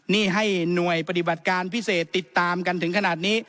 นี่ให้หน่วยปฏิบัติการพิเศษติดตามกันถึงขนาดนี้